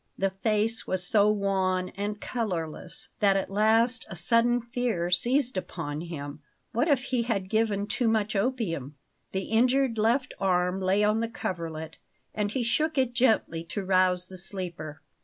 The face was so wan and colourless that at last a sudden fear seized upon him; what if he had given too much opium? The injured left arm lay on the coverlet, and he shook it gently to rouse the sleeper.